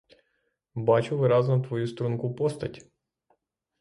Бачу виразно твою струнку постать.